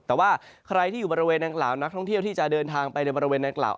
แต่ว่าใครที่อยู่บริเวณนางกล่าวนักท่องเที่ยวที่จะเดินทางไปในบริเวณนางกล่าว